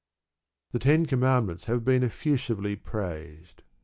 The Ten Commandments have been effusively praised.